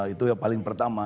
itu yang paling pertama